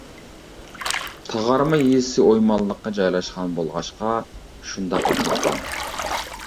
تاغارما يېزىسى ئويمانلىققا جايلاشقان بولغاچقا شۇنداق ئاتالغان.